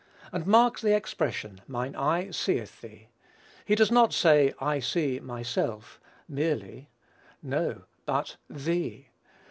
And mark the expression, "mine eye seeth thee." He does not say, "I see myself" merely; no; but "thee."